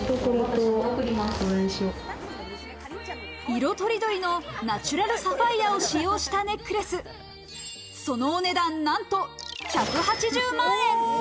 色とりどりのナチュラルサファイアを使用したネックレス、そのお値段なんと１８０万円。